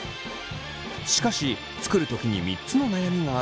しかし作る時に３つの悩みがあるそう。